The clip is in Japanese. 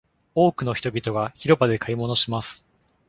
多くの人々が広場で買い物します。